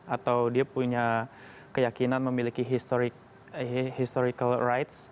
atau dia punya keyakinan memiliki historical rights